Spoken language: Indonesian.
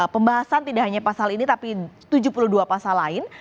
pembahasan tidak hanya pasal ini tapi tujuh puluh dua pasal lain